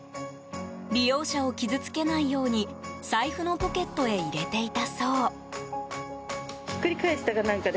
利用者を傷つけないように財布のポケットへ入れていたそう。